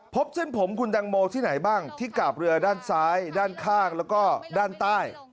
พบเส้นผมคุณตังโมที่ไหนบ้างที่กาบเรือด้านซ้ายด้านข้างแล้วก็ด้านใต้